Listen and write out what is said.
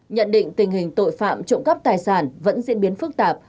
nhận định tình hình tội phạm trộm cắp tài sản vẫn diễn biến phức tạp